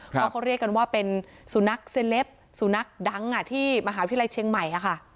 เพราะเขาเรียกกันว่าเป็นสุนัขเซลปสุนัขดังที่มหาวิทยาลัยเชียงใหม่